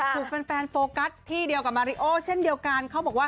ถูกแฟนโฟกัสที่เดียวกับมาริโอเช่นเดียวกันเขาบอกว่า